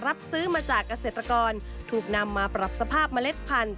รับซื้อมาจากเกษตรกรถูกนำมาปรับสภาพเมล็ดพันธุ